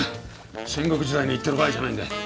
戦国時代に行ってる場合じゃないんだ。